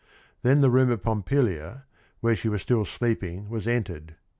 Then the room of Poinpilia, where she was still sleeping, was entered.